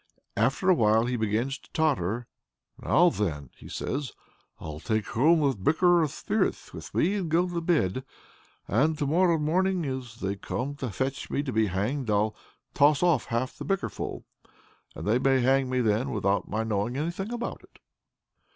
After awhile he begins to totter. "Now then," he says, "I'll take home a bicker of spirits with me, and go to bed. And to morrow morning, as soon as they come to fetch me to be hanged, I'll toss off half the bickerful. They may hang me then without my knowing anything about it."